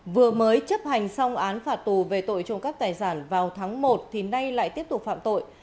vừa mới chấp hành xong án phạt tù về tội trộm cắp tài sản vào tháng một thì nay lại tiếp tục phạm tội